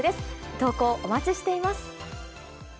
投稿お待ちしています。